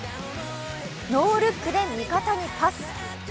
ノールックで味方にパス。